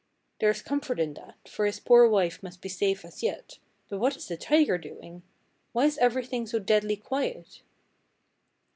There is comfort in that, for his poor wife must be safe as yet, but what is the tiger doing? Why is everything so deadly quiet?